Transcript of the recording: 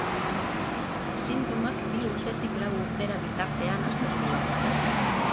Sintomak bi urtetik lau urtera bitartean hasten dira.